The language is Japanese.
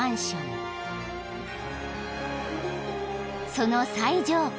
［その最上階。